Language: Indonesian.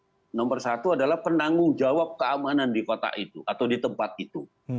nah nomor satu adalah penanggung jawab keamanan di kota itu atau di tempat itu